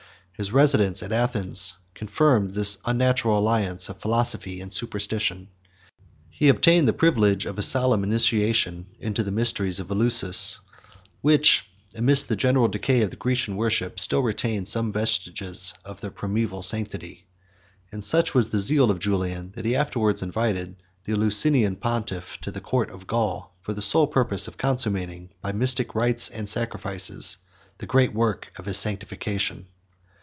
His residence at Athens confirmed this unnatural alliance of philosophy and superstition. He obtained the privilege of a solemn initiation into the mysteries of Eleusis, which, amidst the general decay of the Grecian worship, still retained some vestiges of their primæval sanctity; and such was the zeal of Julian, that he afterwards invited the Eleusinian pontiff to the court of Gaul, for the sole purpose of consummating, by mystic rites and sacrifices, the great work of his sanctification.